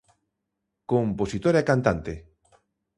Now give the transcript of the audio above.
Compositor e cantante.